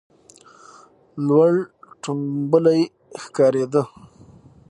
لور ټومبلی ښکارېده.